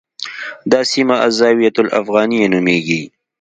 دا سیمه الزاویة الافغانیه نومېږي.